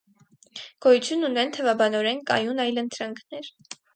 Գոյություն ունեն թվաբանորեն կայուն այլընտրանքներ։